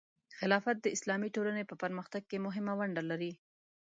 خلافت د اسلامي ټولنې په پرمختګ کې مهمه ونډه لري.